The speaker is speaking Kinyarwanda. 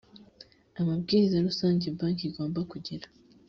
a mabwiriza rusange banki igomba kugira